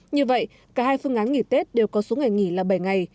như vậy cả hai phương án nghỉ tết đều có số ngày nghỉ là bảy ngày